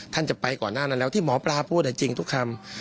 ท่านจะไปก่อนหน้านั้นแล้วที่หมอปลาพูดจริงทุกคำ